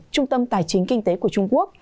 trung tâm tài chính kinh tế của trung quốc